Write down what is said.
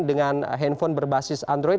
dengan handphone berbasis android